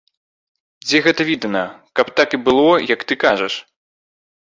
Дзе гэта відана, каб так і было, як ты кажаш?!